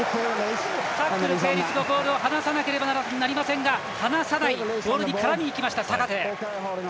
タックル成立後、ボールを離さなければなりませんが放さないボールに絡みにいった坂手。